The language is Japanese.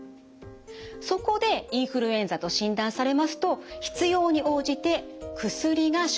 そこでインフルエンザと診断されますと必要に応じて薬が処方されます。